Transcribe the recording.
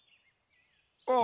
あ！